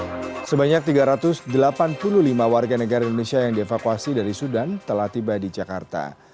hai sebanyak tiga ratus delapan puluh lima warga negara indonesia yang dievakuasi dari sudan telah tiba di jakarta